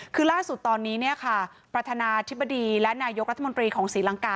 คือล่าสุดตอนนี้ประธานาธิบดีและนายกรัฐมนตรีของศรีลังกา